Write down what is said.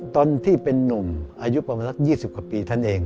ตอนที่เป็นนุ่มอายุประมาณสัก๒๐กว่าปีท่านเอง